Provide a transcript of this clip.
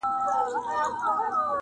دغو تورمخو له تیارو سره خپلوي کړې ده-